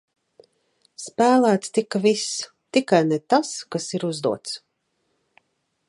Spēlēts tika viss, tikai ne tas, kas ir uzdots.